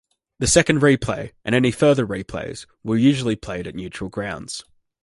The second replay, and any further replays, were usually played at neutral grounds.